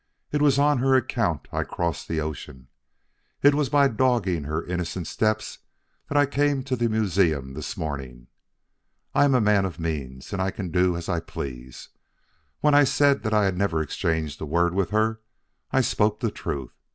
It was on her account I crossed the ocean. It was by dogging her innocent steps that I came to the museum this morning. I am a man of means, and I can do as I please. When I said that I had never exchanged a word with her, I spoke the truth.